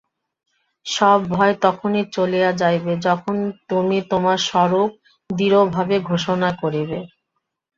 সব ভয় তখনই চলিয়া যাইবে, যখন তুমি তোমার স্বরূপ দৃঢ়ভাবে ঘোষণা করিবে।